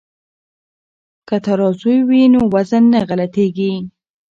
که ترازوی وي نو وزن نه غلطیږي.